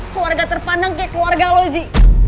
keluarga terpandang kayak keluarga lo ji